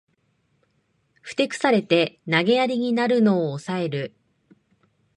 ふてくされて投げやりになるのをおさえる